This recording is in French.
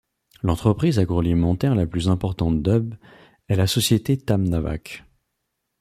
L'entreprise agroalimentaire la plus importante d'Ub est la société Tamnavac.